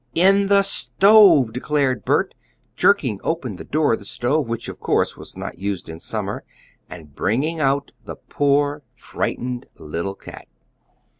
"In the stove!" declared Bert, jerking open the door of the stove, which, of course, was not used in summer, and bringing out the poor, frightened, little cat.